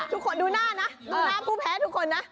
ดูหน้านะดูหน้าผู้แพ้ทุกคนนะ